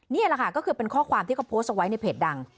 นี่แหละค่ะก็คือเป็นข้อความที่เขาโพสต์เอาไว้ในเพจดัง